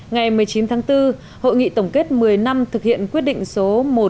ngày một mươi chín tháng bốn hội nghị tổng kết một mươi năm thực hiện quyết định số một nghìn sáu trăm sáu mươi tám